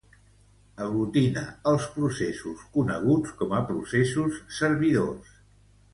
Aglutina els processos coneguts com a processos servidors.